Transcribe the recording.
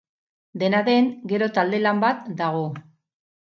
Dena den, gero talde-lan bat dago.